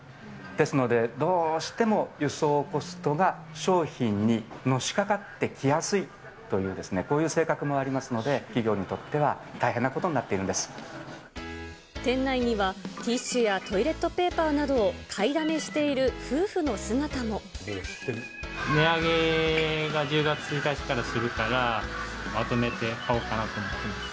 ですので、どうしても輸送コストが商品にのしかかってきやすいという、こういう性格もありますので、企業にとっては大変なことになっ店内には、ティッシュやトイレットペーパーなどを買いだめしている夫婦の姿値上げが１０月１日からするから、まとめて買おうかなと思っています。